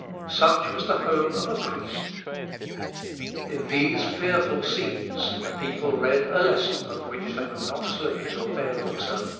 Such was the home of a priest!... In these fearful scenes, the people read a lesson of which they were not slow to avail themselves.